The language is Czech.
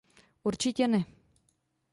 Určitě ne!